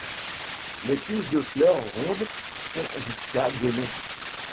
Les tiges de fleurs rondes font jusqu'à de long.